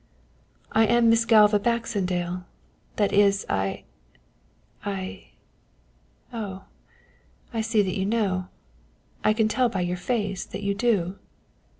"I am Miss Galva Baxendale, that is, I I Oh, I see that you know. I can tell by your face that you do."